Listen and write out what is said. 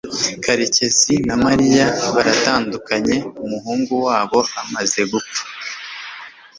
karekezi na mariya baratandukanye umuhungu wabo amaze gupfa